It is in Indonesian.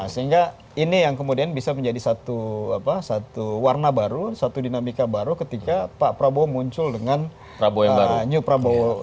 sehingga ini yang kemudian bisa menjadi satu warna baru satu dinamika baru ketika pak prabowo muncul dengan new prabowo